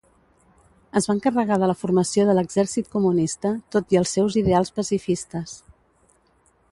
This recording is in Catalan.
Es va encarregar de la formació de l'exèrcit comunista, tot i els seus ideals pacifistes.